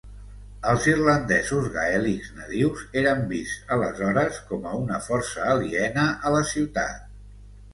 Els irlandesos gaèlics nadius eren vists aleshores com a una força aliena a la ciutat.